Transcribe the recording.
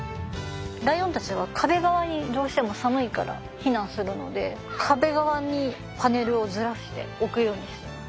ライオンたちは壁側にどうしても寒いから避難するので壁側にパネルをずらして置くようにしてます。